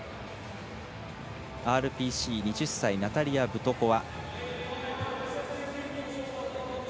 ＲＰＣの２０歳ナタリア・ブトコワ。